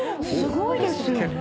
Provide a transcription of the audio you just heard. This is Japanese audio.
すごいですよね。